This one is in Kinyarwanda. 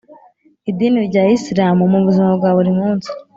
idini rya isilamu mu buzima bwa buri munsi